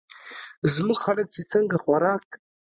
زمونږ خلک چې څنګه خوراک